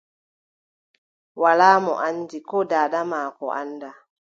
Walaa mo anndi ko daada maako anndaa.